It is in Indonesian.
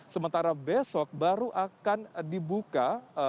sementara besok baru akan dibuka